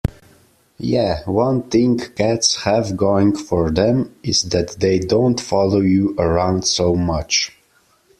Yeah, one thing cats have going for them is that they don't follow you around so much.